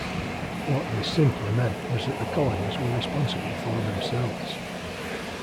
What this simply meant was that the colonies were responsible for themselves.